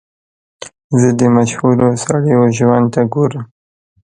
زه د مشهورو سړیو ژوند ته ګورم.